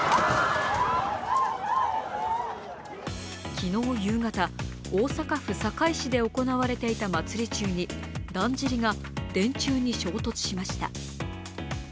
昨日夕方、大阪府堺市で行われていた祭り中にだんじりが電柱に衝突しました。